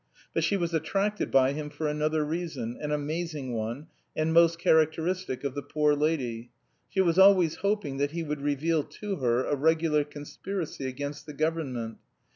But she was attracted by him for another reason, an amazing one, and most characteristic of the poor lady: she was always hoping that he would reveal to her a regular conspiracy against the government.